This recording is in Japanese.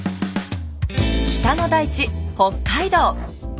北の大地北海道。